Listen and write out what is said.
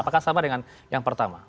apakah sama dengan yang pertama